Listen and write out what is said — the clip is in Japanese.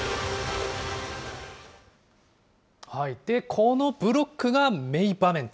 このブロックが、メイ場面と。